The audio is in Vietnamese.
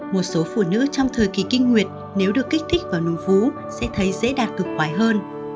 một số phụ nữ trong thời kỳ kinh nguyệt nếu được kích thích vào núi vú sẽ thấy dễ đạt cực quái hơn